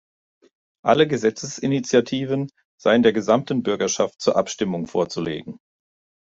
Alle Gesetzesinitiativen seien der gesamten Bürgerschaft zur Abstimmung vorzulegen.